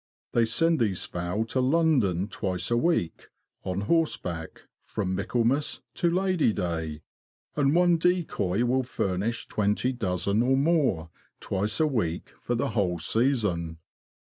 They send these fowl to London twice a week, on horseback, from Michaelmas to Lady Day, and one decoy will furnish twenty dozen or more, twice a week, for the whole season.